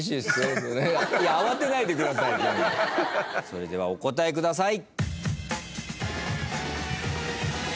それではお答えください。